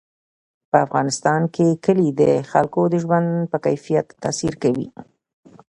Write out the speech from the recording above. په افغانستان کې کلي د خلکو د ژوند په کیفیت تاثیر کوي.